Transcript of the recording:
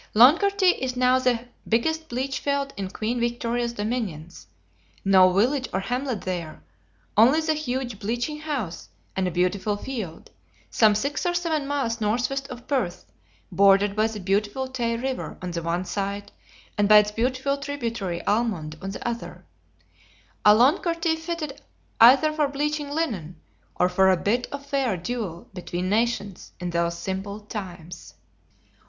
Loncarty is now the biggest bleach field in Queen Victoria's dominions; no village or hamlet there, only the huge bleaching house and a beautiful field, some six or seven miles northwest of Perth, bordered by the beautiful Tay river on the one side, and by its beautiful tributary Almond on the other; a Loncarty fitted either for bleaching linen, or for a bit of fair duel between nations, in those simple times.